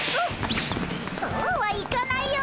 そうはいかないよ！